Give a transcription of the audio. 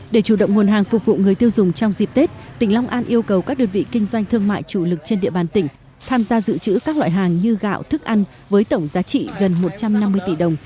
để chủ động nguồn hàng phục vụ người tiêu dùng trong dịp tết tỉnh long an yêu cầu các đơn vị kinh doanh thương mại chủ lực trên địa bàn tỉnh tham gia dự trữ các loại hàng như gạo thức ăn với tổng giá trị gần một trăm năm mươi tỷ đồng